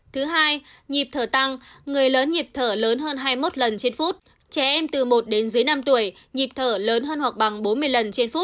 thứ hai nhịp thở tăng người lớn nhịp thở lớn hơn hai mươi một lần trên phút trẻ em từ một đến dưới năm tuổi nhịp thở lớn hơn hoặc bằng bốn mươi lần trên phút